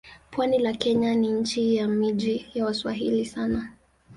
Pwani la Kenya ni nchi ya miji ya Waswahili hasa.